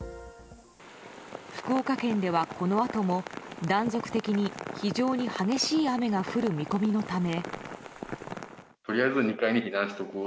福岡県では、このあとも断続的に非常に激しい雨が降る見込みのため。